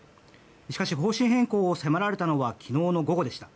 しかし方針変更を迫られたのは昨日の午後でした。